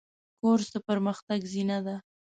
کورس د پرمختګ زینه ده.